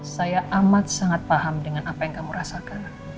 saya amat sangat paham dengan apa yang kamu rasakan